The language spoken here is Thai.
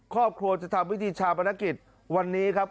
ครอบครัวจะทำวิธีชาปนกิจวันนี้ครับ